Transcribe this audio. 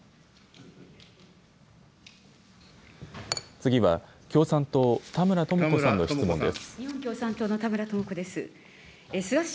次は、共産党、田村智子さんの質問です。